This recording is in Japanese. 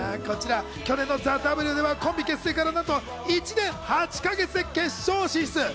こちら去年の『ＴＨＥＷ』ではコンビ結成からなんと１年８か月で決勝進出。